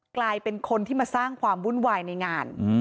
กลายเป็นคนที่มาสร้างความวุ่นวายในงาน